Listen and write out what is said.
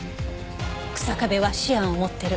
日下部はシアンを持ってる。